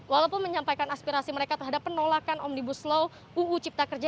walaupun menyampaikan aspirasi mereka terhadap penolakan omnibus law uu cipta kerja